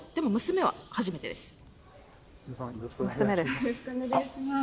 よろしくお願いします